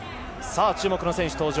注目の選手登場。